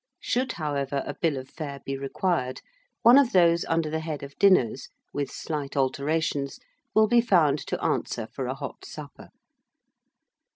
Should, however, a bill of fare be required, one of those under the head of DINNERS, with slight alterations, will be found to answer for a hot supper.